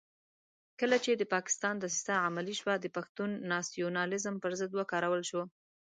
کله چې د پاکستان دسیسه عملي شوه د پښتون ناسیونالېزم پر ضد وکارول شو.